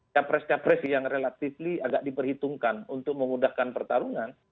capres capres yang relatif agak diperhitungkan untuk memudahkan pertarungan